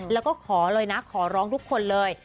แล้วก็ขอเลยนะขอร้องทุกคนเลย